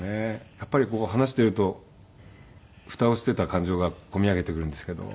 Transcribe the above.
やっぱり話しているとふたをしていた感情がこみ上げてくるんですけど。